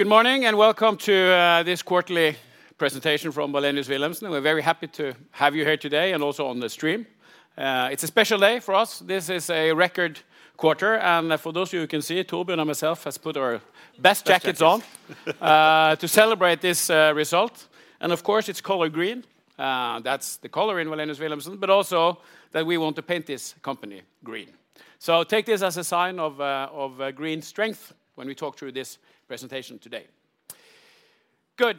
Good morning, welcome to this quarterly presentation from Wallenius Wilhelmsen. We're very happy to have you here today and also on the stream. It's a special day for us. This is a record quarter. For those of you who can see, Torbjørn and myself has put our best jackets on to celebrate this result. Of course, it's color green, that's the color in Wallenius Wilhelmsen, but also that we want to paint this company green. Take this as a sign of green strength when we talk through this presentation today. Good.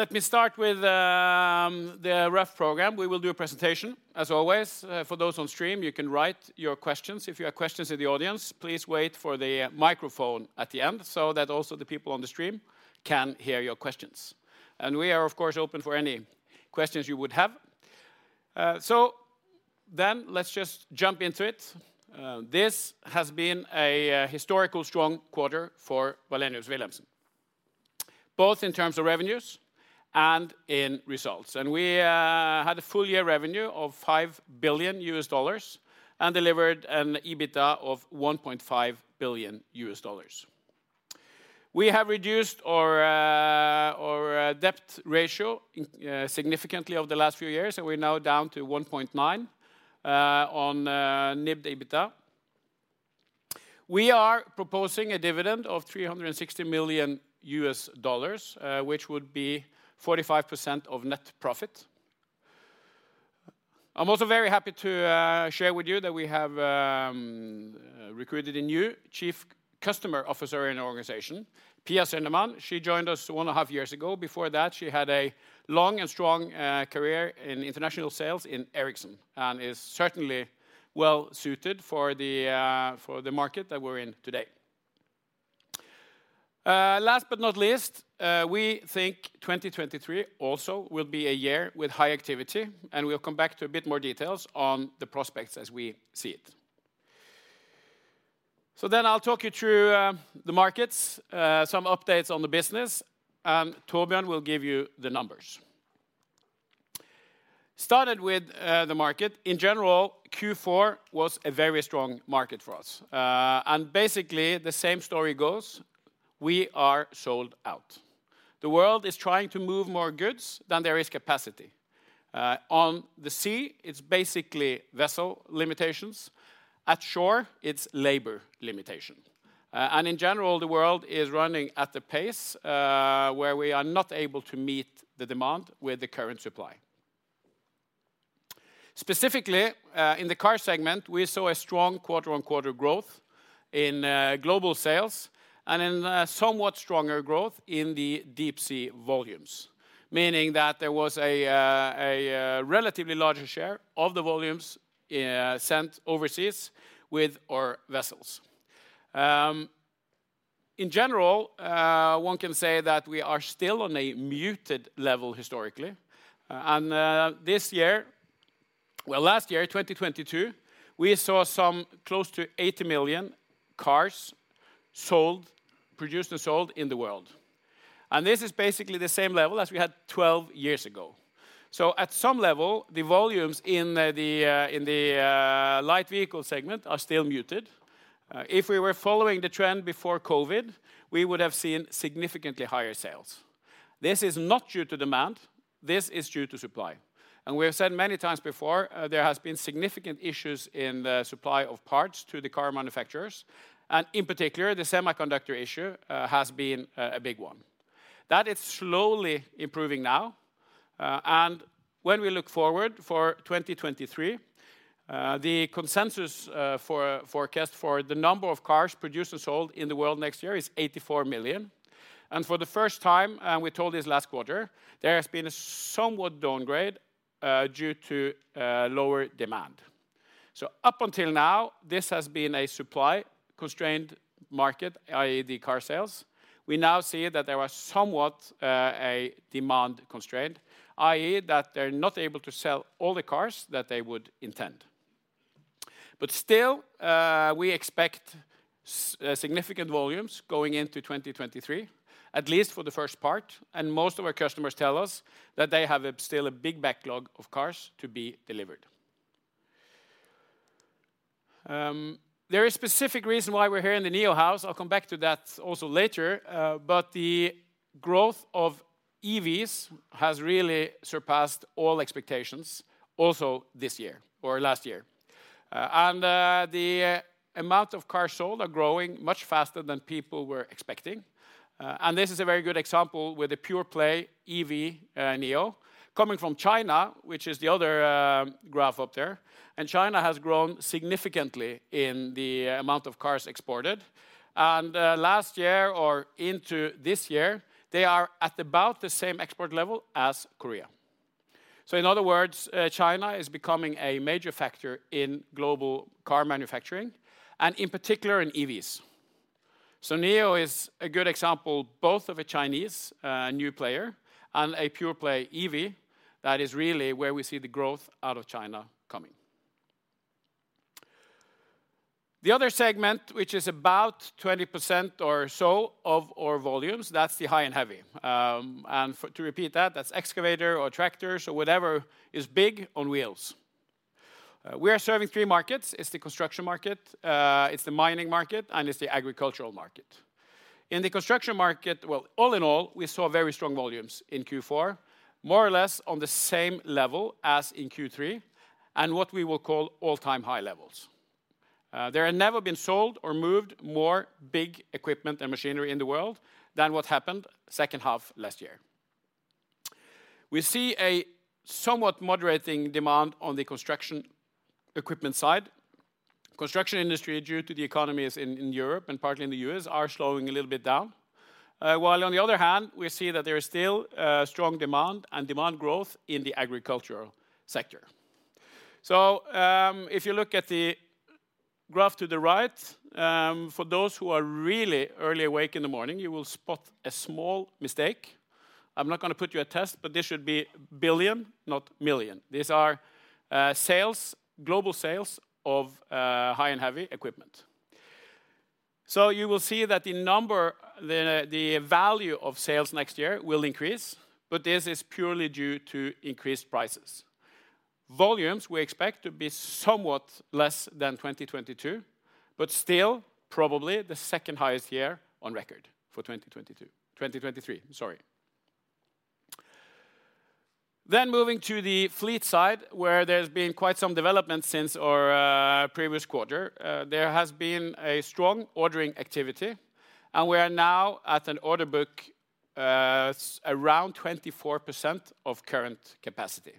Let me start with the rough program. We will do a presentation as always. For those on stream, you can write your questions. If you have questions in the audience, please wait for the microphone at the end so that also the people on the stream can hear your questions. We are, of course, open for any questions you would have. Let's just jump into it. This has been a historical strong quarter for Wallenius Wilhelmsen, both in terms of revenues and in results. We had a full year revenue of $5 billion and delivered an EBITDA of $1.5 billion. We have reduced our debt ratio significantly over the last few years, and we're now down to 1.9 on NIBD EBITDA. We are proposing a dividend of $360 million, which would be 45% of net profit. I'm also very happy to share with you that we have recruited a new chief customer officer in our organization, Pia Sönnerman. She joined us one and a half years ago. Before that, she had a long and strong career in international sales in Ericsson and is certainly well suited for the market that we're in today. Last but not least, we think 2023 also will be a year with high activity, and we'll come back to a bit more details on the prospects as we see it. I'll talk you through the markets, some updates on the business, and Torbjørn will give you the numbers. Started with the market. In general, Q4 was a very strong market for us. Basically, the same story goes, we are sold out. The world is trying to move more goods than there is capacity. On the sea, it's basically vessel limitations. At shore, it's labor limitation. In general, the world is running at the pace where we are not able to meet the demand with the current supply. Specifically, in the car segment, we saw a strong quarter-on-quarter growth in global sales and in a somewhat stronger growth in the deep sea volumes, meaning that there was a relatively larger share of the volumes sent overseas with our vessels. In general, one can say that we are still on a muted level historically. Last year, 2022, we saw some close to 80 million cars sold, produced and sold in the world. This is basically the same level as we had 12 years ago. At some level, the volumes in the in the light vehicle segment are still muted. If we were following the trend before COVID, we would have seen significantly higher sales. This is not due to demand. This is due to supply. We have said many times before, there has been significant issues in the supply of parts to the car manufacturers. In particular, the semiconductor issue has been a big one. That is slowly improving now. When we look forward for 2023, the consensus for forecast for the number of cars produced and sold in the world next year is 84 million. For the first time, and we told this last quarter, there has been a somewhat downgrade due to lower demand. Up until now, this has been a supply-constrained market, i.e., the car sales. We now see that there was somewhat a demand constraint, i.e., that they're not able to sell all the cars that they would intend. Still, we expect significant volumes going into 2023, at least for the first part. Most of our customers tell us that they have still a big backlog of cars to be delivered. There is specific reason why we're here in the NIO House. I'll come back to that also later. The growth of EVs has really surpassed all expectations also this year or last year. The amount of cars sold are growing much faster than people were expecting. This is a very good example with the pure play EV, NIO, coming from China, which is the other graph up there. China has grown significantly in the amount of cars exported. Last year or into this year, they are at about the same export level as Korea. In other words, China is becoming a major factor in global car manufacturing, and in particular in EVs. NIO is a good example both of a Chinese new player and a pure play EV that is really where we see the growth out of China coming. The other segment, which is about 20% or so of our volumes, that's the high and heavy. To repeat that's excavator or tractors or whatever is big on wheels. We are serving three markets. It's the construction market, it's the mining market, it's the agricultural market. All in all, we saw very strong volumes in Q4, more or less on the same level as in Q3, what we will call all-time high levels. There are never been sold or moved more big equipment and machinery in the world than what happened second half last year. We see a somewhat moderating demand on the construction equipment side. Construction industry, due to the economies in Europe and partly in the U.S., are slowing a little bit down. On the other hand, we see that there is still strong demand and demand growth in the agricultural sector. If you look at the graph to the right, for those who are really early awake in the morning, you will spot a small mistake. I'm not gonna put you a test, but this should be $ billion, not $ million. These are sales, global sales of high and heavy equipment. You will see that the number, the value of sales next year will increase, but this is purely due to increased prices. Volumes we expect to be somewhat less than 2022, but still probably the second highest year on record for 2022. 2023, sorry. Moving to the fleet side, where there's been quite some development since our previous quarter. There has been a strong ordering activity, and we are now at an order book, around 24% of current capacity.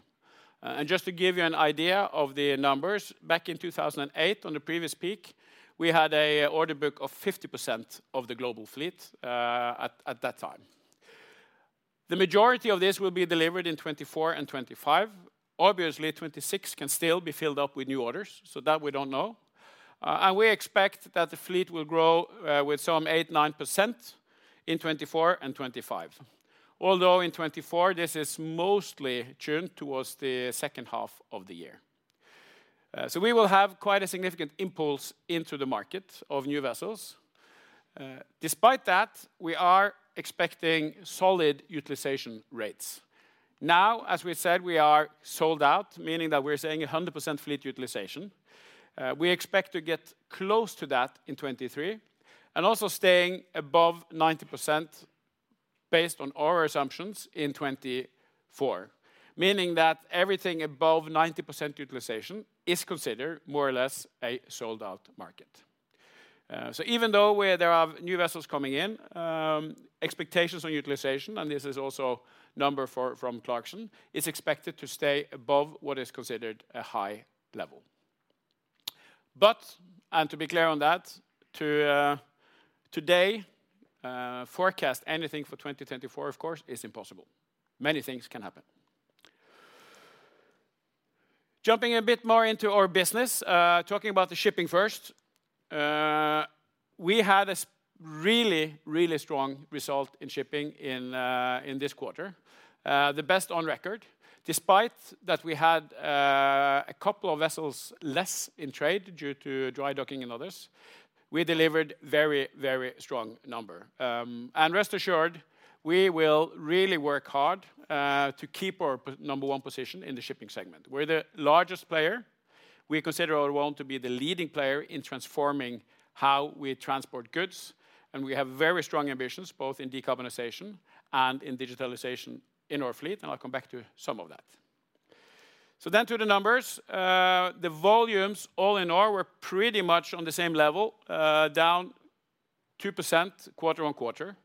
Just to give you an idea of the numbers, back in 2008, on the previous peak, we had an order book of 50% of the global fleet at that time. The majority of this will be delivered in 2024 and 2025. Obviously, 2026 can still be filled up with new orders, so that we don't know. We expect that the fleet will grow with some 8%-9% in 2024 and 2025. Although in 2024, this is mostly tuned towards the second half of the year. We will have quite a significant impulse into the market of new vessels. Despite that, we are expecting solid utilization rates. Now, as we said, we are sold out, meaning that we're seeing 100% fleet utilization. We expect to get close to that in 2023, also staying above 90% based on our assumptions in 2024. Meaning that everything above 90% utilization is considered more or less a sold-out market. Even though where there are new vessels coming in, expectations on utilization, and this is also number from Clarksons, is expected to stay above what is considered a high level. To be clear on that, today, forecast anything for 2024, of course, is impossible. Many things can happen. Jumping a bit more into our business, talking about the shipping first. We had a really, really strong result in shipping in this quarter. The best on record. Despite that we had a couple of vessels less in trade due to dry docking and others, we delivered very, very strong number. Rest assured, we will really work hard to keep our number 1 position in the shipping segment. We're the largest player. We consider our role to be the leading player in transforming how we transport goods, and we have very strong ambitions, both in decarbonization and in digitalization in our fleet, and I'll come back to some of that. To the numbers. The volumes all in all were pretty much on the sama level, down 2% quarter-on-quarter,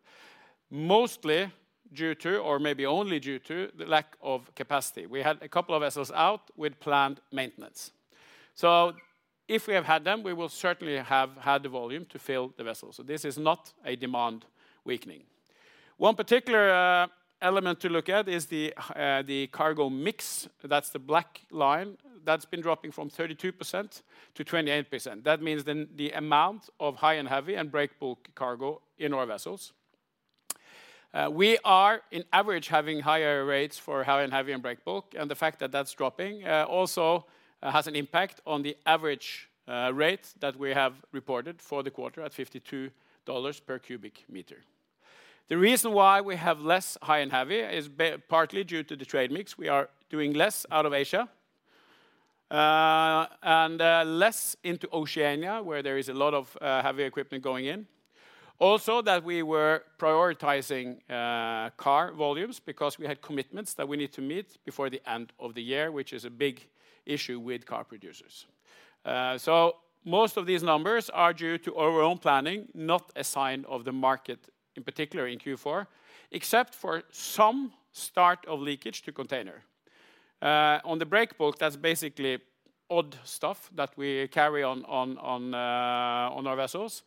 mostly due to, or maybe only due to, the lack of capacity. We had a couple of vessels out with planned maintenance. If we have had them, we will certainly have had the volume to fill the vessels. This is not a demand weakening. One particular element to look at is the cargo mix. That's the black line. That's been dropping from 32% to 28%. That means the amount of high and heavy and breakbulk cargo in our vessels. We are in average having higher rates for high and heavy and breakbulk, and the fact that that's dropping, also has an impact on the average rate that we have reported for the quarter at $52 per cubic meter. The reason why we have less high and heavy is partly due to the trade mix. We are doing less out of Asia, and less into Oceania, where there is a lot of heavy equipment going in. Also that we were prioritizing car volumes because we had commitments that we need to meet before the end of the year, which is a big issue with car producers. Most of these numbers are due to our own planning, not a sign of the market, in particular in Q4, except for some start of leakage to container. On the breakbulk, that's basically odd stuff that we carry on our vessels.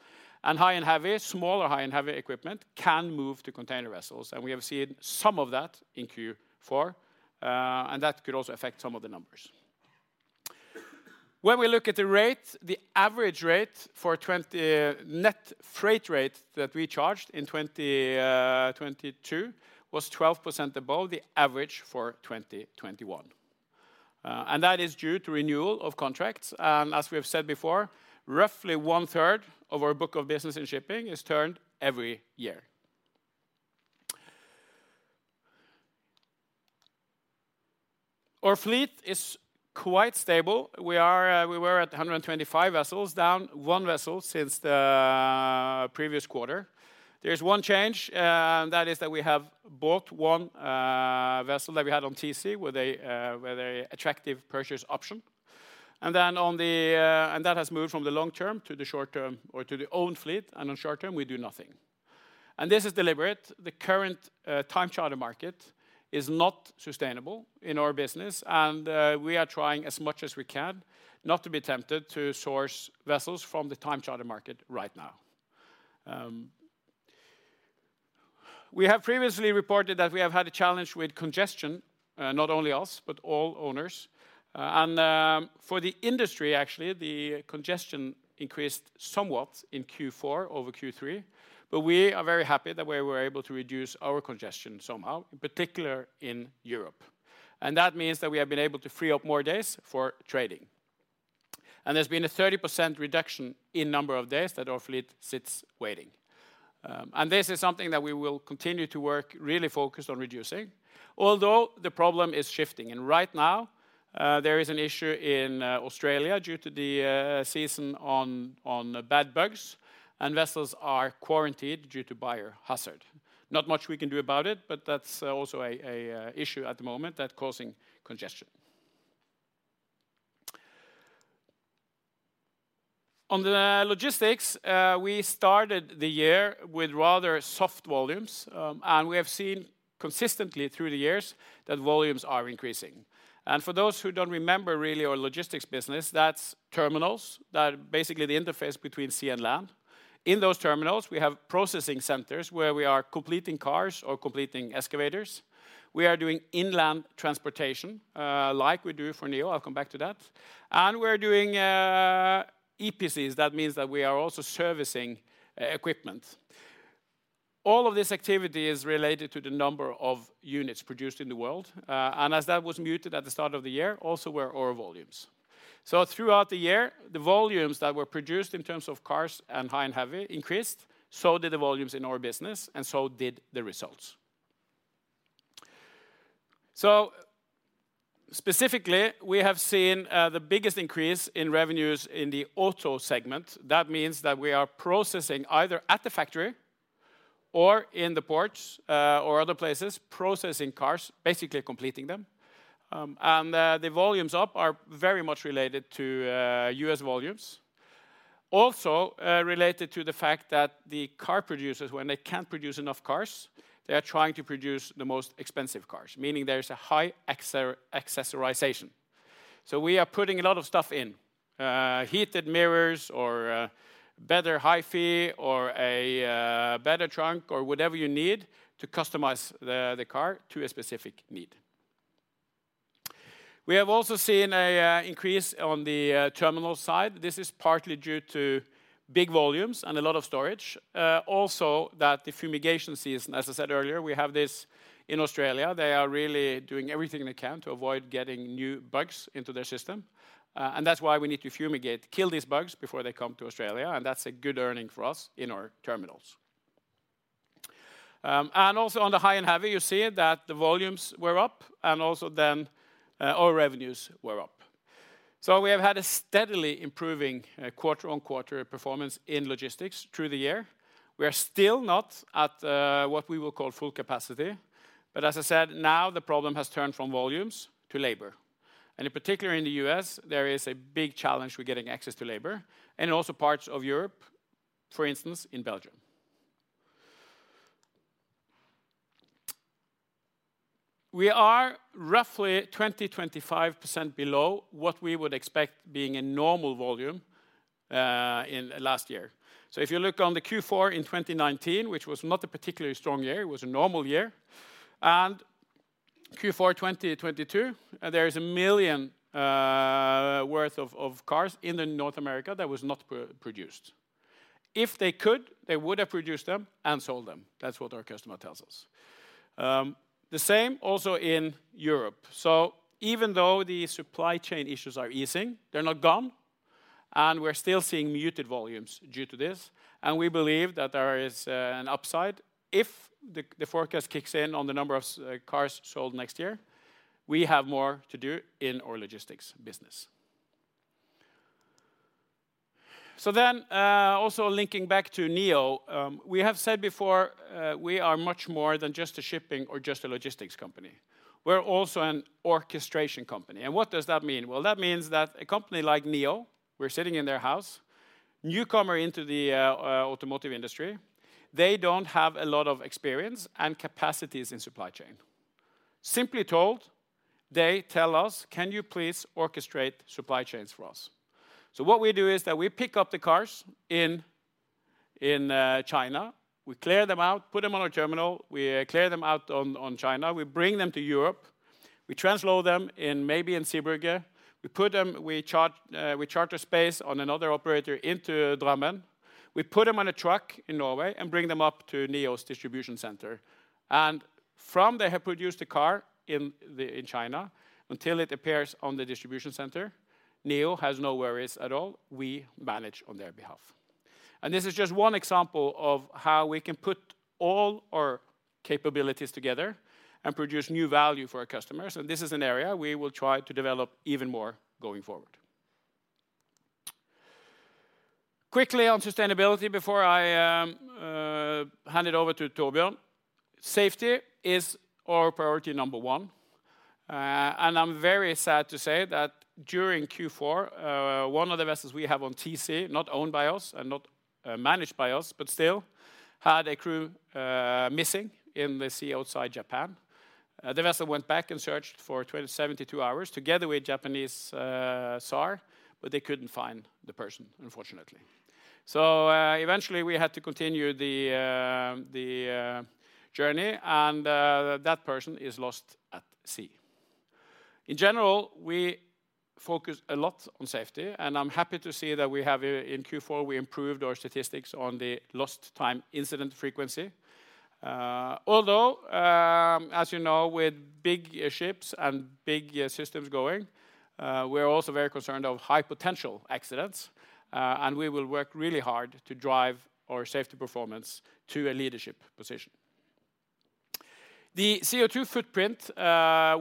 High and heavy, smaller high and heavy equipment can move to container vessels. We have seen some of that in Q4, and that could also affect some of the numbers. When we look at the rate, the average rate for net freight rate that we charged in 2022 was 12% above the average for 2021. That is due to renewal of contracts. As we have said before, roughly one-third of our book of business and shipping is turned every year. Our fleet is quite stable. We are, we were at 125 vessels, down one vessel since the previous quarter. There is one change, that is that we have bought one vessel that we had on TC, with a attractive purchase option. On the, that has moved from the long-term to the short-term, or to the own fleet, and on short-term we do nothing. This is deliberate. The current time charter market is not sustainable in our business. We are trying as much as we can not to be tempted to source vessels from the time charter market right now. We have previously reported that we have had a challenge with congestion, not only us, but all owners. For the industry actually, the congestion increased somewhat in Q4 over Q3, but we are very happy that we were able to reduce our congestion somehow, in particular in Europe. That means that we have been able to free up more days for trading. There's been a 30% reduction in number of days that our fleet sits waiting. This is something that we will continue to work really focused on reducing. Although, the problem is shifting, right now, there is an issue in Australia due to the season on bad bugs, and vessels are quarantined due to biohazard. Not much we can do about it, but that's also an issue at the moment that causing congestion. On the logistics, we started the year with rather soft volumes, we have seen consistently through the years that volumes are increasing. For those who don't remember really our logistics business, that's terminals. That basically the interface between sea and land. In those terminals, we have processing centers where we are completing cars or completing excavators. We are doing inland transportation, like we do for NIO. I'll come back to that. We're doing EPCs. That means that we are also servicing e-equipment. All of this activity is related to the number of units produced in the world. As that was muted at the start of the year, also were our volumes. Throughout the year, the volumes that were produced in terms of cars and High and Heavy increased, so did the volumes in our business and so did the results. Specifically, we have seen the biggest increase in revenues in the auto segment. That means that we are processing either at the factory or in the ports, or other places, processing cars, basically completing them. The volumes up are very much related to U.S. volumes. Also, related to the fact that the car producers, when they can't produce enough cars, they are trying to produce the most expensive cars, meaning there is a high accessorization. We are putting a lot of stuff in heated mirrors or better hi-fi or a better trunk or whatever you need to customize the car to a specific need. We have also seen an increase on the terminal side. This is partly due to big volumes and a lot of storage. Also that the fumigation season, as I said earlier, we have this in Australia. They are really doing everything they can to avoid getting new bugs into their system. And that's why we need to fumigate, kill these bugs before they come to Australia, and that's a good earning for us in our terminals. And also on the high and heavy, you see that the volumes were up and also then our revenues were up. We have had a steadily improving quarter-on-quarter performance in logistics through the year. We are still not at what we will call full capacity, but as I said, now the problem has turned from volumes to labor. In particular in the U.S., there is a big challenge with getting access to labor, and also parts of Europe, for instance, in Belgium. We are roughly 20%-25% below what we would expect being a normal volume in last year. If you look on the Q4 in 2019, which was not a particularly strong year, it was a normal year, and Q4 2022, there is $1 million worth of cars in North America that was not produced. If they could, they would have produced them and sold them. That's what our customer tells us. The same also in Europe. Even though the supply chain issues are easing, they're not gone, and we're still seeing muted volumes due to this. We believe that there is an upside if the forecast kicks in on the number of cars sold next year, we have more to do in our logistics business. Also linking back to NIO, we have said before, we are much more than just a shipping or just a logistics company. We're also an orchestration company. What does that mean? That means that a company like NIO, we're sitting in their house, newcomer into the automotive industry, they don't have a lot of experience and capacities in supply chain. Simply told, they tell us, "Can you please orchestrate supply chains for us?" What we do is that we pick up the cars in China, we clear them out, put them on a terminal, we clear them out on China, we bring them to Europe, we transload them in maybe in Zeebrugge, we put them, we charter space on another operator into Drammen. We put them on a truck in Norway and bring them up to NIO's distribution center. From they have produced the car in China, until it appears on the distribution center, NIO has no worries at all. We manage on their behalf. This is just one example of how we can put all our capabilities together and produce new value for our customers, and this is an area we will try to develop even more going forward. Quickly on sustainability before I hand it over to Torbjørn. Safety is our priority number one. I'm very sad to say that during Q4, one of the vessels we have on TC, not owned by us and not managed by us, but still, had a crew missing in the sea outside Japan. The vessel went back and searched for 72 hours together with Japanese SAR, they couldn't find the person, unfortunately. Eventually we had to continue the journey and that person is lost at sea. In general, we focus a lot on safety. I'm happy to see that we have in Q4, we improved our statistics on the lost time injury frequency. Although, as you know, with big ships and big systems going, we're also very concerned of high potential accidents, and we will work really hard to drive our safety performance to a leadership position. The CO2 footprint,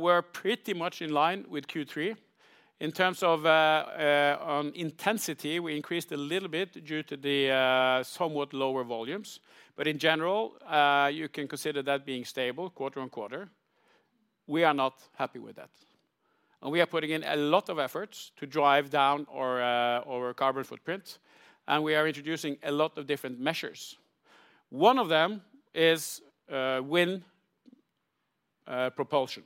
we're pretty much in line with Q3. In terms of intensity, we increased a little bit due to the somewhat lower volumes. In general, you can consider that being stable quarter-on-quarter. We are not happy with that. We are putting in a lot of efforts to drive down our carbon footprint, and we are introducing a lot of different measures. One of them is wind propulsion.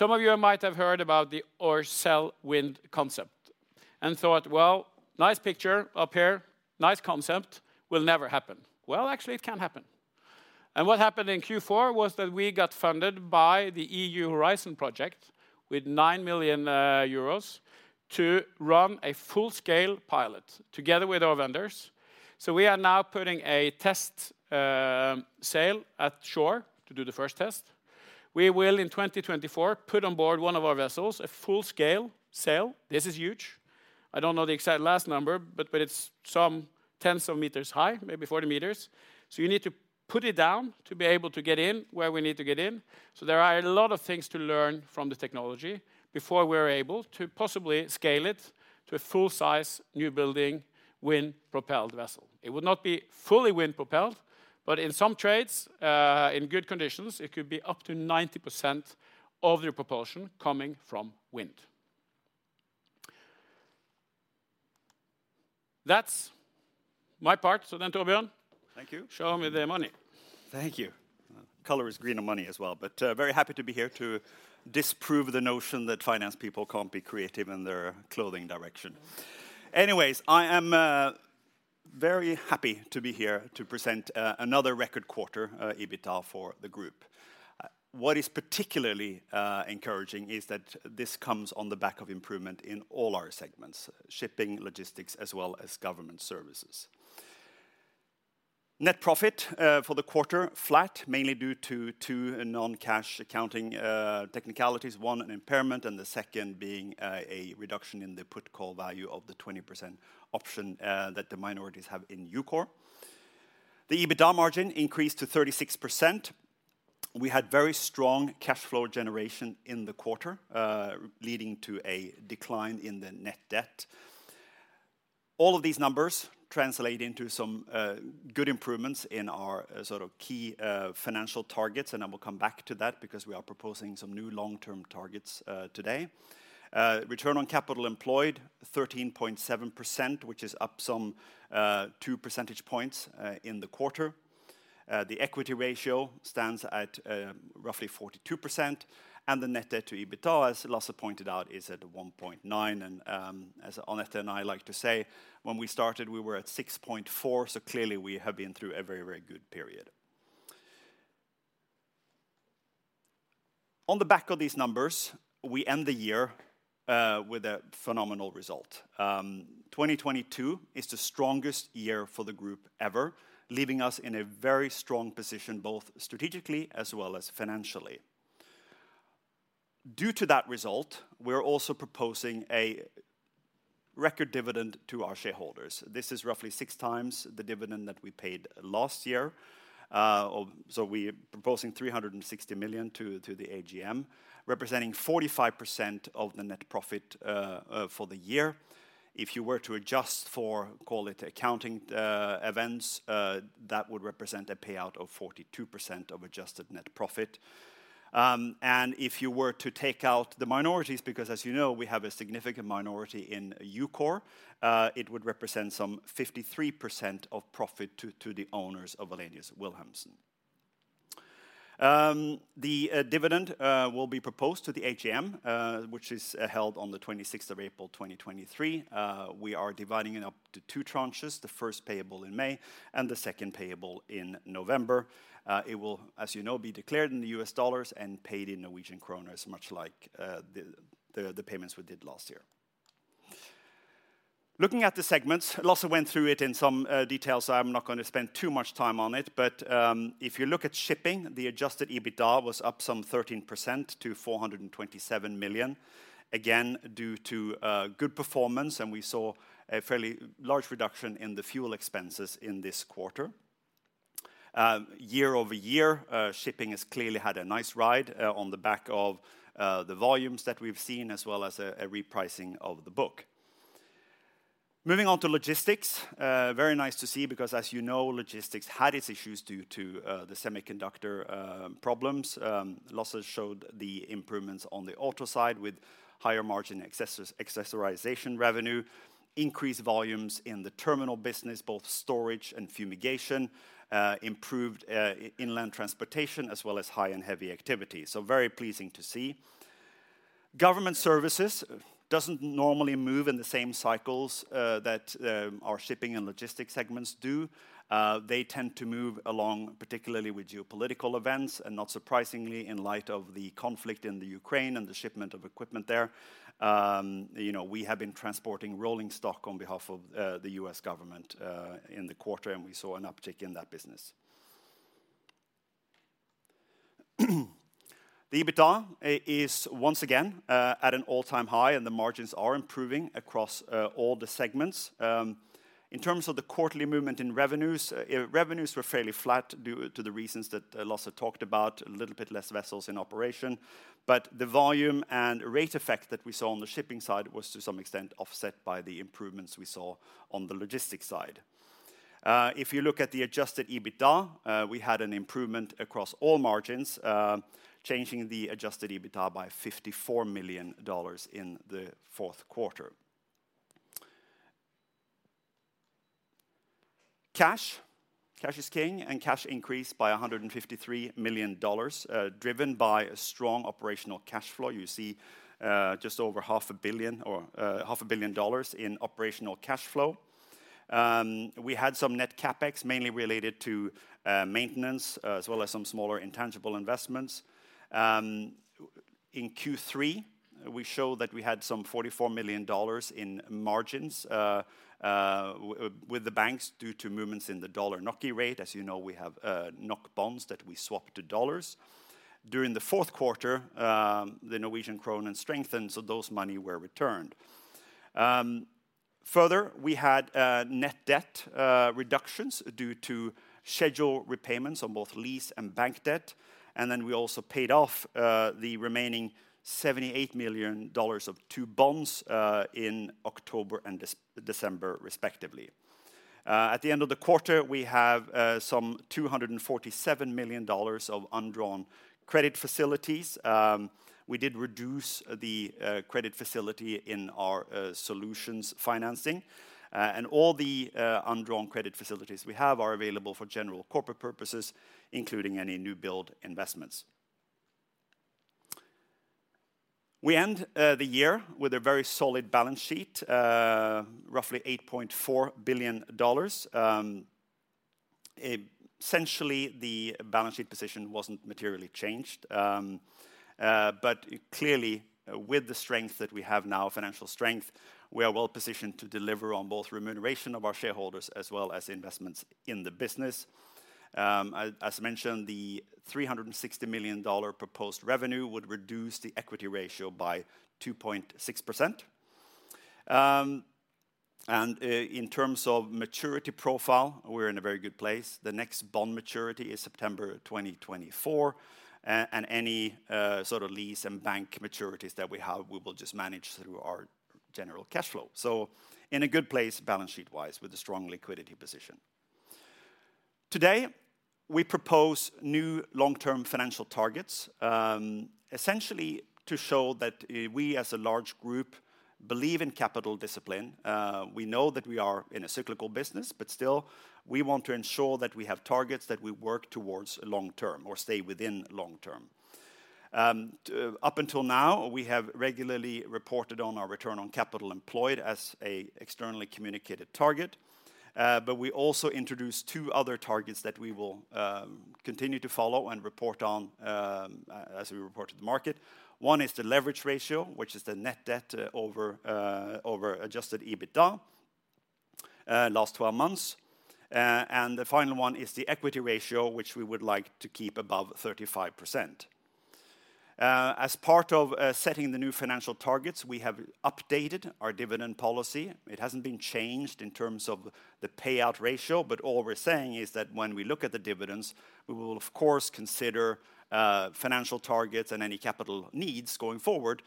Some of you might have heard about the Orcelle Wind concept and thought, well, nice picture up here, nice concept, will never happen. Well, actually, it can happen. What happened in Q4 was that we got funded by the EU Horizon Project with 9 million euros to run a full-scale pilot together with our vendors. We are now putting a test sail at shore to do the first test. We will, in 2024, put on board one of our vessels, a full-scale sail. This is huge. I don't know the exact last number, but it's some tens of meters high, maybe 40 meters. You need to put it down to be able to get in where we need to get in. There are a lot of things to learn from the technology before we're able to possibly scale it to a full-size new building wind-propelled vessel. It would not be fully wind-propelled, but in some trades, in good conditions, it could be up to 90% of your propulsion coming from wind. That's my part. Torbjørn. Thank you. show me the money. Thank you. Color is greener money as well, but very happy to be here to disprove the notion that finance people can't be creative in their clothing direction. I am very happy to be here to present another record quarter, EBITDA for the group. What is particularly encouraging is that this comes on the back of improvement in all our segments, shipping, logistics, as well as Government Services. Net profit for the quarter, flat, mainly due to two non-cash accounting technicalities, one an impairment, and the second being a reduction in the put call value of the 20% option that the minorities have in EUKOR. The EBITDA margin increased to 36%. We had very strong cash flow generation in the quarter, leading to a decline in the net debt. All of these numbers translate into some good improvements in our sort of key financial targets, and I will come back to that because we are proposing some new long-term targets today. Return on capital employed, 13.7%, which is up some two percentage points in the quarter. The equity ratio stands at roughly 42%, and the net debt to EBITDA, as Lasse pointed out, is at 1.9. As Anette and I like to say, when we started, we were at 6.4. Clearly we have been through a very, very good period. On the back of these numbers, we end the year with a phenomenal result. 2022 is the strongest year for the group ever, leaving us in a very strong position, both strategically as well as financially. Due to that result, we are also proposing a record dividend to our shareholders. This is roughly 6x the dividend that we paid last year. We are proposing $360 million to the AGM, representing 45% of the net profit for the year. If you were to adjust for, call it, accounting events, that would represent a payout of 42% of adjusted net profit. If you were to take out the minorities, because as you know, we have a significant minority in EUKOR, it would represent some 53% of profit to the owners of Wallenius Wilhelmsen. The dividend will be proposed to the AGM, which is held on the 26th of April, 2023. We are dividing it up to two tranches, the first payable in May and the second payable in November. It will, as you know, be declared in the U.S. dollars and paid in Norwegian kroner, much like the payments we did last year. Looking at the segments, Lasse went through it in some detail, so I'm not gonna spend too much time on it. If you look at shipping, the adjusted EBITDA was up some 13% to $427 million, again, due to good performance, and we saw a fairly large reduction in the fuel expenses in this quarter. Year over year, shipping has clearly had a nice ride on the back of the volumes that we've seen, as well as a repricing of the book. Moving on to logistics, very nice to see because as you know, logistics had its issues due to the semiconductor problems. Losses showed the improvements on the auto side with higher margin accessorization revenue, increased volumes in the terminal business, both storage and fumigation, improved inland transportation, as well as high and heavy activity. Very pleasing to see. Government Services doesn't normally move in the same cycles that our shipping and logistics segments do. They tend to move along, particularly with geopolitical events, and not surprisingly, in light of the conflict in the Ukraine and the shipment of equipment there, you know, we have been transporting rolling stock on behalf of the U.S. government in the quarter, and we saw an uptick in that business. The EBITDA is once again at an all-time high. The margins are improving across all the segments. In terms of the quarterly movement in revenues were fairly flat due to the reasons that Lasse talked about, a little bit less vessels in operation. The volume and rate effect that we saw on the shipping side was to some extent offset by the improvements we saw on the logistics side. If you look at the adjusted EBITDA, we had an improvement across all margins, changing the adjusted EBITDA by $54 million in the fourth quarter. Cash. Cash is king. Cash increased by $153 million, driven by a strong operational cash flow. You see just over half a billion or half a billion dollars in operational cash flow. We had some net CapEx, mainly related to maintenance, as well as some smaller intangible investments. In Q3, we show that we had some $44 million in margins with the banks due to movements in the dollar NOK rate. As you know, we have NOK bonds that we swap to dollars. During the fourth quarter, the Norwegian krone had strengthened, those money were returned. Further, we had net debt reductions due to schedule repayments on both lease and bank debt. We also paid off the remaining $78 million of two bonds in October and December, respectively. At the end of the quarter, we have some $247 million of undrawn credit facilities. We did reduce the credit facility in our solutions financing. All the undrawn credit facilities we have are available for general corporate purposes, including any new build investments. We end the year with a very solid balance sheet, roughly $8.4 billion. Essentially, the balance sheet position wasn't materially changed. Clearly, with the strength that we have now, financial strength, we are well positioned to deliver on both remuneration of our shareholders as well as investments in the business. As mentioned, the $360 million proposed revenue would reduce the equity ratio by 2.6%. In terms of maturity profile, we're in a very good place. The next bond maturity is September 2024, and any sort of lease and bank maturities that we have, we will just manage through our general cash flow. In a good place, balance sheet-wise, with a strong liquidity position. Today, we propose new long-term financial targets, essentially to show that we as a large group believe in capital discipline. We know that we are in a cyclical business, but still, we want to ensure that we have targets that we work towards long term or stay within long term. Up until now, we have regularly reported on our return on capital employed as a externally communicated target. We also introduced two other targets that we will continue to follow and report on as we report to the market. One is the leverage ratio, which is the net debt over adjusted EBITDA last 12 months. The final one is the equity ratio, which we would like to keep above 35%. As part of setting the new financial targets, we have updated our dividend policy. It hasn't been changed in terms of the payout ratio, but all we're saying is that when we look at the dividends, we will of course consider financial targets and any capital needs going forward,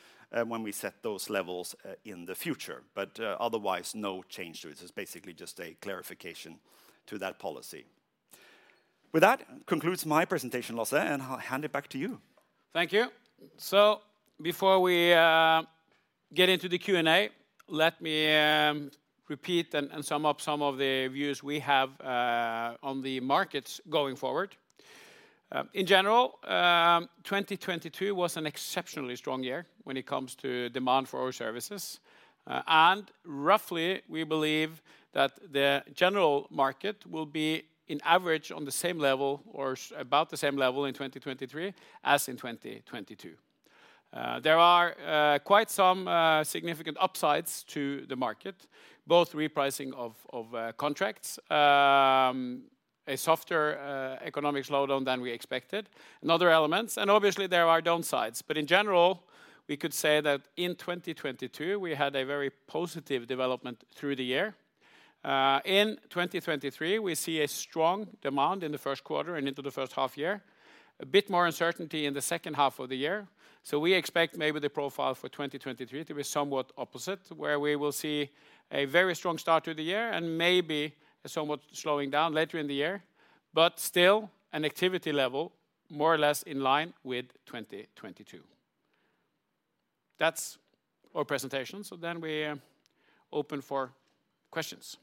when we set those levels in the future. Otherwise, no change to it. It's basically just a clarification to that policy. With that concludes my presentation, Lasse, and I'll hand it back to you. Thank you. Before we get into the Q&A, let me repeat and sum up some of the views we have on the markets going forward. In general, 2022 was an exceptionally strong year when it comes to demand for our services. Roughly, we believe that the general market will be in average on the same level or about the same level in 2023 as in 2022. There are quite some significant upsides to the market, both repricing of contracts, a softer economic slowdown than we expected, and other elements. Obviously, there are downsides. In general, we could say that in 2022, we had a very positive development through the year. In 2023, we see a strong demand in the first quarter and into the first half year, a bit more uncertainty in the second half of the year. We expect maybe the profile for 2023 to be somewhat opposite, where we will see a very strong start to the year and maybe a somewhat slowing down later in the year, but still an activity level more or less in line with 2022. That's our presentation. Then we open for questions.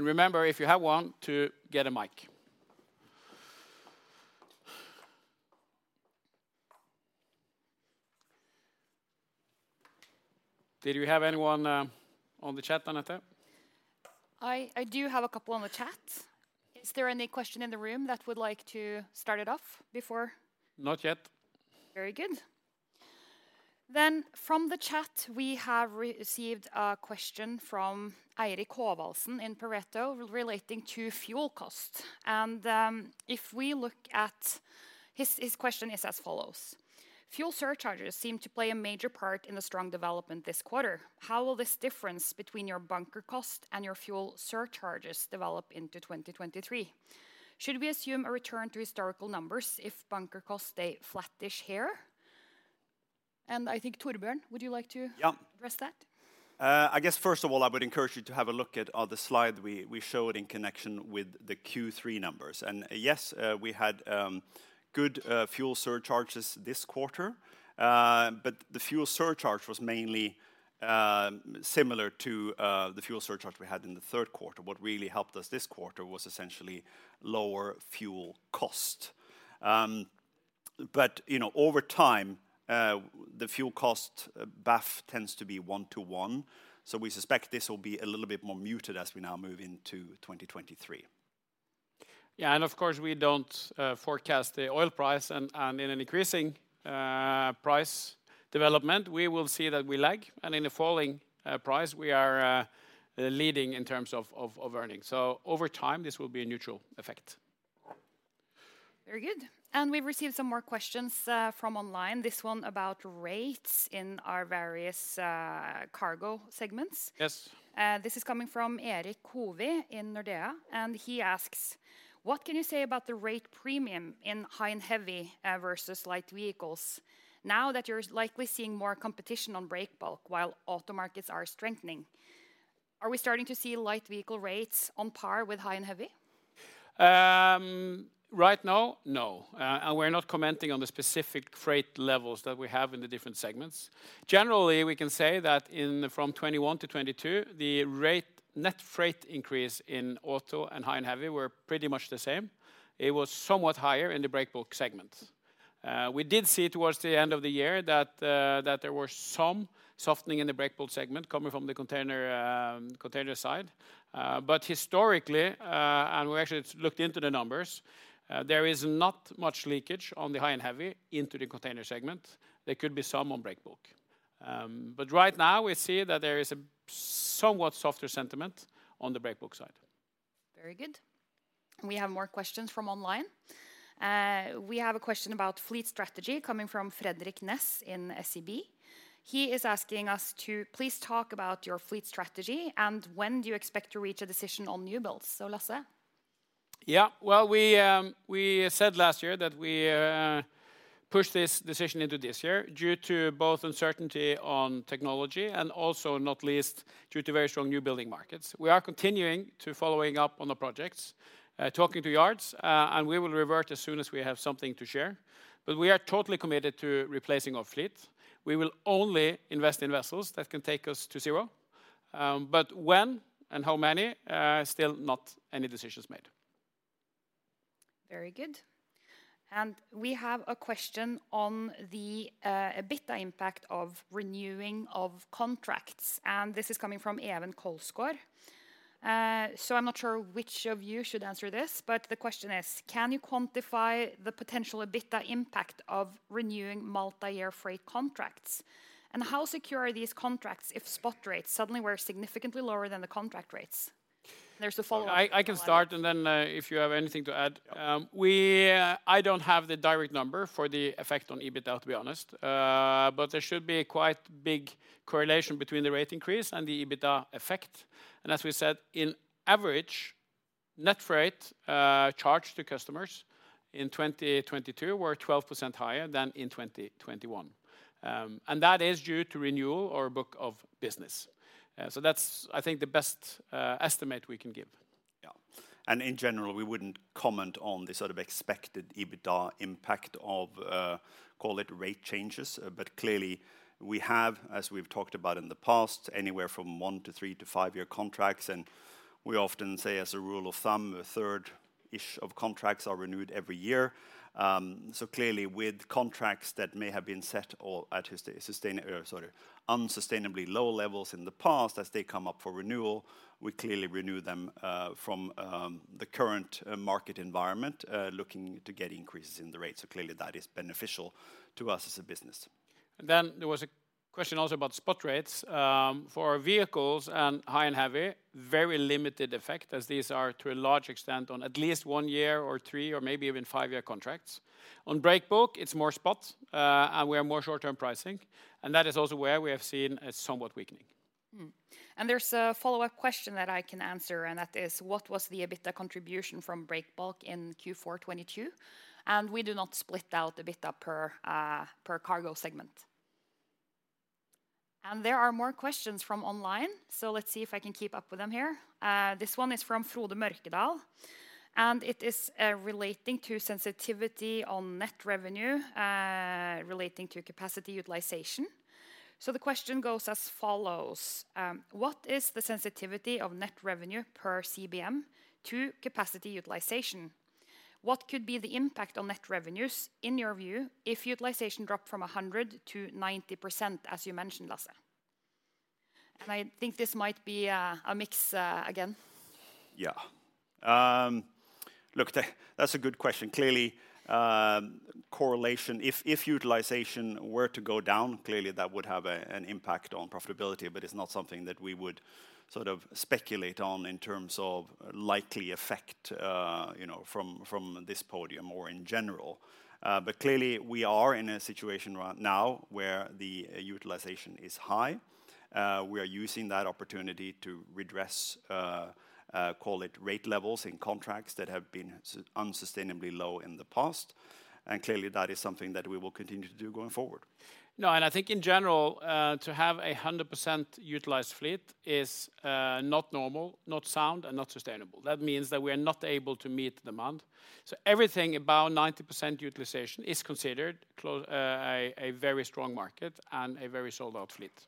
Remember, if you have one, to get a mic. Did we have anyone on the chat, Anette? I do have a couple on the chat. Is there any question in the room that would like to start it off before? Not yet. Very good. From the chat, we have received a question from Eddie Klov in Pareto relating to fuel costs. His question is as follows: "Fuel surcharges seem to play a major part in the strong development this quarter. How will this difference between your bunker cost and your fuel surcharges develop into 2023? Should we assume a return to historical numbers if bunker costs stay flattish here?" I think, Torbjørn, would you like Yeah... address that? I guess first of all, I would encourage you to have a look at the slide we showed in connection with the Q3 numbers. Yes, we had good fuel surcharges this quarter. The fuel surcharge was mainly similar to the fuel surcharge we had in the third quarter. What really helped us this quarter was essentially lower fuel cost. You know, over time, the fuel cost buff tends to be one to one, so we suspect this will be a little bit more muted as we now move into 2023. Yeah. Of course we don't forecast the oil price and in an increasing price development, we will see that we lag. In a falling price, we are leading in terms of earnings. Over time, this will be a neutral effect. Very good. We've received some more questions from online, this one about rates in our various cargo segments. Yes. This is coming from Erik Covey in Nordea. He asks, "What can you say about the rate premium in high and heavy, versus light vehicles now that you're likely seeing more competition on breakbulk while auto markets are strengthening? Are we starting to see light vehicle rates on par with high and heavy? Right now, no. We're not commenting on the specific freight levels that we have in the different segments. Generally, we can say that in the from 2021-2022, the rate, net freight increase in auto and high and heavy were pretty much the same. It was somewhat higher in the breakbulk segment. We did see towards the end of the year that there was some softening in the breakbulk segment coming from the container side. Historically, we actually looked into the numbers, there is not much leakage on the high and heavy into the container segment. There could be some on breakbulk. Right now we see that there is a somewhat softer sentiment on the breakbulk side. Very good. We have more questions from online. We have a question about fleet strategy coming from Frederik Ness in SEB. He is asking us to, "Please talk about your fleet strategy, and when do you expect to reach a decision on newbuilds?" Lasse? Yeah. Well, we said last year that we pushed this decision into this year due to both uncertainty on technology and also not least due to very strong new building markets. We are continuing to following up on the projects, talking to yards, we will revert as soon as we have something to share, but we are totally committed to replacing our fleet. We will only invest in vessels that can take us to zero. When and how many, still not any decisions made. Very good. We have a question on the EBITDA impact of renewing of contracts, this is coming from Evan Kolskor. I'm not sure which of you should answer this, the question is, "Can you quantify the potential EBITDA impact of renewing multi-year freight contracts? How secure are these contracts if spot rates suddenly were significantly lower than the contract rates?" There's a follow-up as well- I can start, and then if you have anything to add. Yeah. I don't have the direct number for the effect on EBITDA, to be honest. There should be a quite big correlation between the rate increase and the EBITDA effect. As we said, in average, net freight charged to customers in 2022 were 12% higher than in 2021. That is due to renewal or book of business. That's, I think, the best estimate we can give. Yeah. In general, we wouldn't comment on the sort of expected EBITDA impact of call it rate changes. Clearly we have, as we've talked about in the past, anywhere from one to three to five-year contracts, we often say, as a rule of thumb, a third-ish of contracts are renewed every year. Clearly with contracts that may have been set all at unsustainably low levels in the past, as they come up for renewal, we clearly renew them from the current market environment, looking to get increases in the rates. Clearly that is beneficial to us as a business. There was a question also about spot rates. For our vehicles and High and heavy, very limited effect, as these are to a large extent on at least one-year or three or maybe even five-year contracts. On Breakbulk, it's more spot, and we are more short-term pricing, and that is also where we have seen a somewhat weakening. There's a follow-up question that I can answer, and that is, "What was the EBITDA contribution from Breakbulk in Q4 2022?" We do not split out EBITDA per per cargo segment. There are more questions from online, so let's see if I can keep up with them here. This one is from Frode Mørkedal, and it is relating to sensitivity on net revenue relating to capacity utilization. The question goes as follows, "What is the sensitivity of net revenue per CBM to capacity utilization? What could be the impact on net revenues, in your view, if utilization dropped from 100% to 90%, as you mentioned, Lasse?" I think this might be a mix again. Yeah. Look, that's a good question. Clearly, correlation, if utilization were to go down, clearly that would have an impact on profitability, but it's not something that we would sort of speculate on in terms of likely effect, you know, from this podium or in general. Clearly we are in a situation now where the utilization is high. We are using that opportunity to redress, call it rate levels in contracts that have been unsustainably low in the past, clearly that is something that we will continue to do going forward. No, I think in general, to have 100% utilized fleet is not normal, not sound, and not sustainable. That means that we are not able to meet demand, everything about 90% utilization is considered a very strong market and a very sold-out fleet.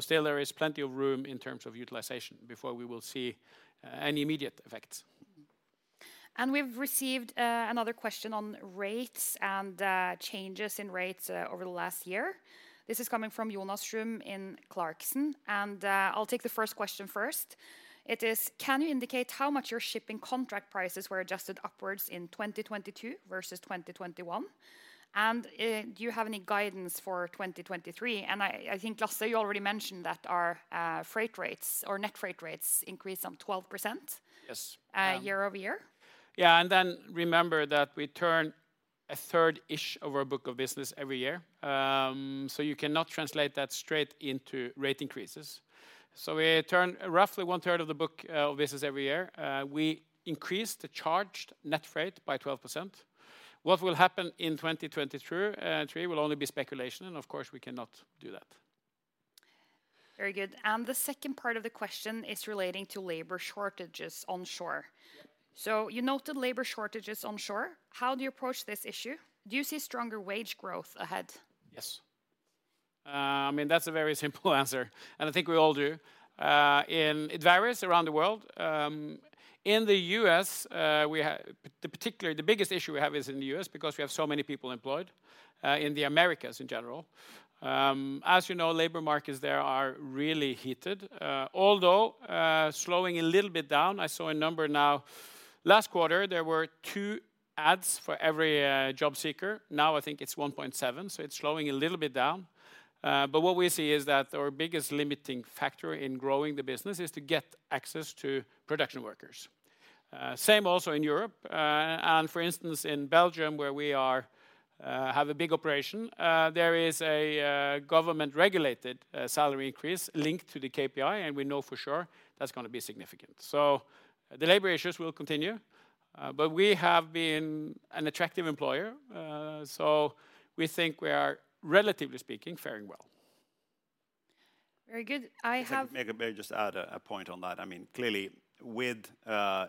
Still there is plenty of room in terms of utilization before we will see any immediate effects. We've received another question on rates and changes in rates over the last year. This is coming from Jonas Ström in Clarksons, I'll take the first question first. It is, "Can you indicate how much your shipping contract prices were adjusted upwards in 2022 versus 2021? And do you have any guidance for 2023?" I think, Lasse, you already mentioned that our freight rates or net freight rates increased some 12%-. Yes.... year-over-year. Remember that we turn a third-ish of our book of business every year. You cannot translate that straight into rate increases. We turn roughly one third of the book of business every year. We increased the charged net freight by 12%. What will happen in 2022, 2023 will only be speculation, and of course we cannot do that. Very good. The second part of the question is relating to labor shortages onshore. Yeah. You noted labor shortages onshore. How do you approach this issue? Do you see stronger wage growth ahead? Yes. I mean, that's a very simple answer. I think we all do. It varies around the world. In the U.S., we particularly the biggest issue we have is in the U.S. because we have so many people employed in the Americas in general. As you know, labor markets there are really heated, although slowing a little bit down. I saw a number now. Last quarter, there were 2 ads for every job seeker. Now I think it's 1.7. It's slowing a little bit down. What we see is that our biggest limiting factor in growing the business is to get access to production workers. Same also in Europe. For instance, in Belgium, where we are, have a big operation, there is a government regulated salary increase linked to the KPI, and we know for sure that's gonna be significant. The labor issues will continue. We have been an attractive employer, so we think we are, relatively speaking, faring well. Very good. If I may I just add a point on that? I mean, clearly with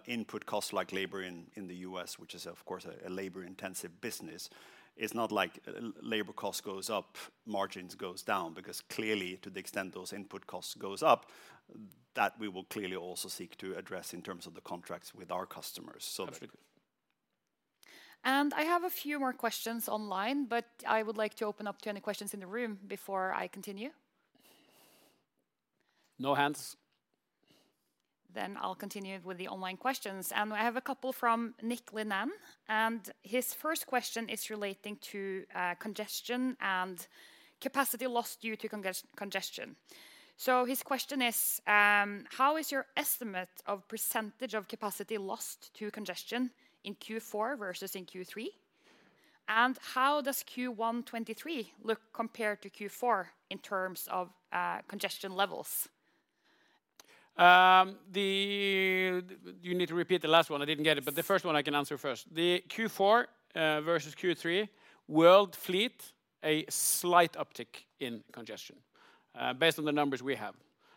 input costs like labor in the U.S., which is of course a labor intensive business, it's not like labor cost goes up, margins goes down. Clearly, to the extent those input costs goes up, that we will clearly also seek to address in terms of the contracts with our customers. Absolutely. I have a few more questions online, but I would like to open up to any questions in the room before I continue. No hands. I'll continue with the online questions, and I have a couple from Nick Linnane, and his first question is relating to congestion and capacity lost due to congestion. His question is, "How is your estimate of % of capacity lost to congestion in Q4 versus in Q3? And how does Q1 2023 look compared to Q4 in terms of congestion levels? The... You need to repeat the last one. I didn't get it. The first one I can answer first. The Q4 versus Q3, world fleet, a slight uptick in congestion, based on the numbers we have.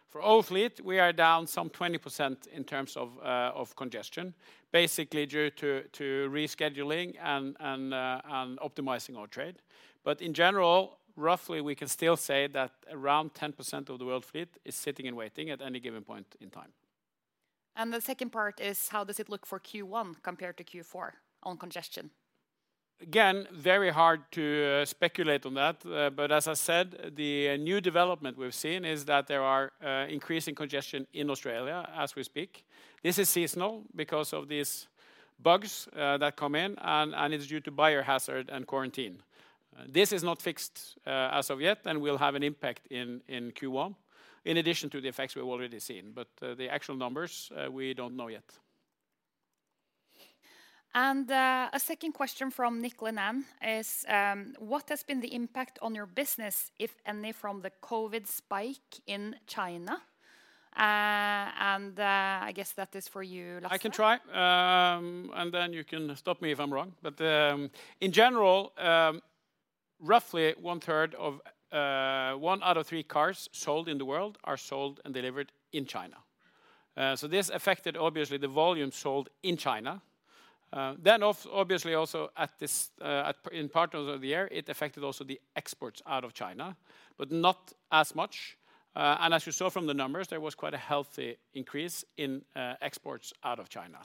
For all fleet, we are down some 20% in terms of congestion, basically due to rescheduling and optimizing our trade. In general, roughly we can still say that around 10% of the world fleet is sitting and waiting at any given point in time. The second part is, how does it look for Q1 compared to Q4 on congestion? Again, very hard to speculate on that. As I said, the new development we've seen is that there are increasing congestion in Australia as we speak. This is seasonal because of these bugs that come in and it's due to biohazard and quarantine. This is not fixed as of yet, and will have an impact in Q1, in addition to the effects we've already seen. The actual numbers we don't know yet. A second question from Nick Linnane is, what has been the impact on your business, if any, from the COVID spike in China? and, I guess that is for you, Lasse. I can try, and then you can stop me if I'm wrong. In general, roughly one third of one out of three cars sold in the world are sold and delivered in China. This affected obviously the volume sold in China. Obviously also at this in part of the year, it affected also the exports out of China, but not as much. As you saw from the numbers, there was quite a healthy increase in exports out of China.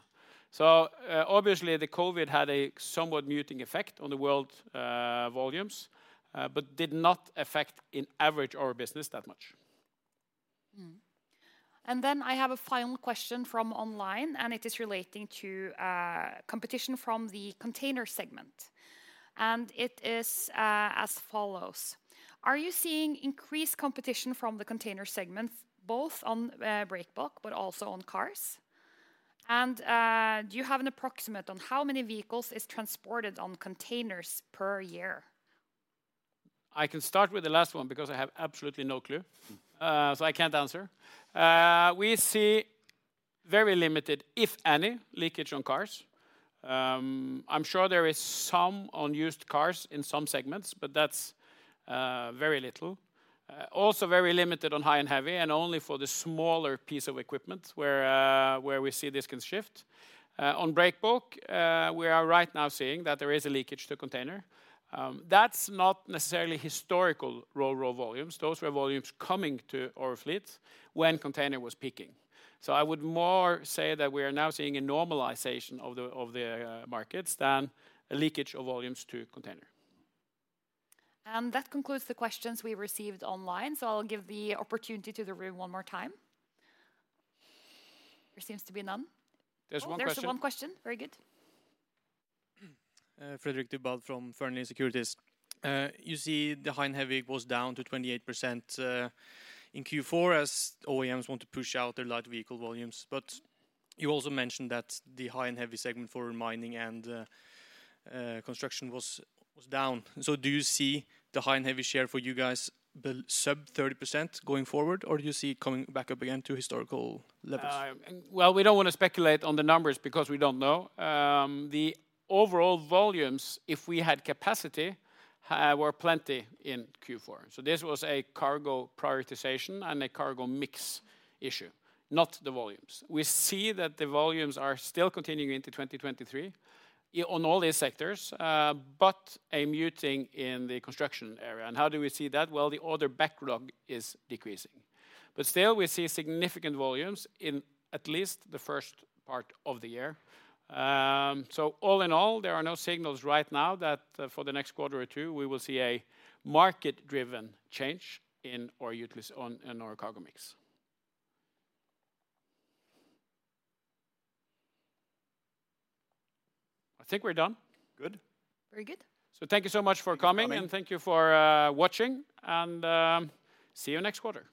Obviously the COVID had a somewhat muting effect on the world volumes, but did not affect in average our business that much. Mm-hmm. Then I have a final question from online, and it is relating to competition from the container segment, and it is as follows: Are you seeing increased competition from the container segments, both on break bulk, but also on cars? Do you have an approximate on how many vehicles is transported on containers per year? I can start with the last one because I have absolutely no clue, so I can't answer. We see very limited, if any, leakage on cars. I'm sure there is some on used cars in some segments, but that's very little. Also very limited on High and Heavy and only for the smaller piece of equipment where we see this can shift. On breakbulk, we are right now seeing that there is a leakage to container. That's not necessarily historical RoRo volumes. Those were volumes coming to our fleets when container was peaking. I would more say that we are now seeing a normalization of the markets than a leakage of volumes to container. That concludes the questions we received online, so I'll give the opportunity to the room one more time. There seems to be none. There's one question. Oh, there's one question. Very good. Fredrik Dybwad from Fearnley Securities. You see the high and heavy was down to 28% in Q4 as OEMs want to push out their light vehicle volumes. You also mentioned that the high and heavy segment for mining and construction was down. Do you see the high and heavy share for you guys sub 30% going forward, or do you see it coming back up again to historical levels? Well, we don't wanna speculate on the numbers because we don't know. The overall volumes, if we had capacity, were plenty in Q4. This was a cargo prioritization and a cargo mix issue, not the volumes. We see that the volumes are still continuing into 2023 on all these sectors, but a muting in the construction area. How do we see that? Well, the order backlog is decreasing. Still, we see significant volumes in at least the first part of the year. All in all, there are no signals right now that, for the next quarter or two, we will see a market-driven change in our cargo mix. I think we're done. Good. Very good. Thank you so much for coming. Thanks for coming. Thank you for watching, and see you next quarter.